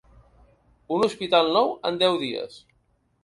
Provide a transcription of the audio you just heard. Un hospital nou en deu dies.